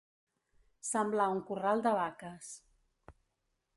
Semblar un corral de vaques.